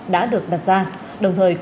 để được cấp kịp thời